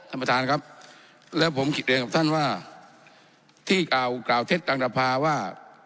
ท่านประธานครับแล้วผมคิดเรียนกับท่านว่าที่กล่าวกล่าวเท็จต่างดภาว่า